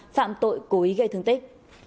phạm tội cố ý gây thương tích